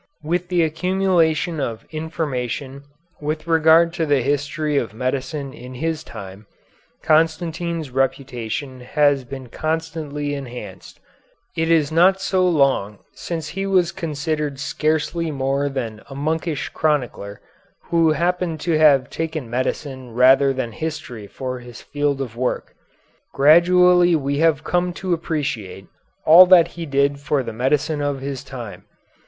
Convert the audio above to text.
With the accumulation of information with regard to the history of medicine in his time, Constantine's reputation has been constantly enhanced. It is not so long since he was considered scarcely more than a monkish chronicler, who happened to have taken medicine rather than history for his field of work. Gradually we have come to appreciate all that he did for the medicine of his time.